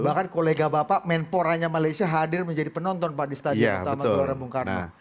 bahkan kolega bapak menporanya malaysia hadir menjadi penonton pak di stadion utama gelora bung karno